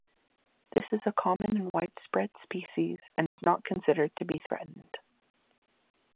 This is a common and widespread species, and is not considered to be threatened.